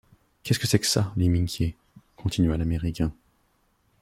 Qu’est-ce que c’est que ça, les Minquiers? continua l’américain.